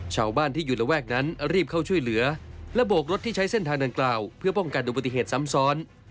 ชาวบ้านที่อยู่ระแวกนั้นรีบเข้าช่วยเหลือและโบกรถที่ใช้เส้นทางดังกล่าวเพื่อป้องกันอุบัติเหตุซ้ำซ้อน